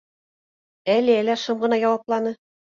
— Әлиә лә шым ғына яуапланы.